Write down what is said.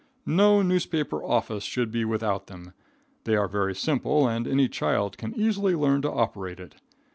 No newspaper office should be without them. They are very simple, and any child can easily learn to operate it.